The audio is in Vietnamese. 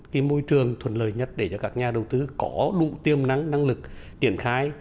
cái môi trường thuận lợi nhất để cho các nhà đầu tư có đủ tiềm năng năng lực triển khai